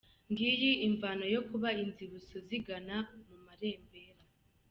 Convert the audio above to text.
Ngiyi imvano yo kuba inzibutso zigana mu marembera.